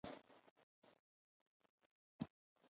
دا علوم ښيي چې نظمونه خیالي دي.